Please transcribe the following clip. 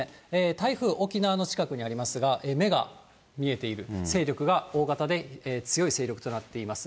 台風、沖縄の近くにありますが、目が見えている、勢力が大型で強い勢力となっています。